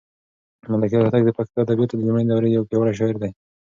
ملکیار هوتک د پښتو ادبیاتو د لومړنۍ دورې یو پیاوړی شاعر دی.